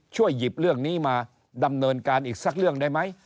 หยิบเรื่องนี้มาดำเนินการอีกสักเรื่องได้ไหม